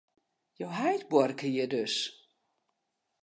Jo heit buorke hjir dus?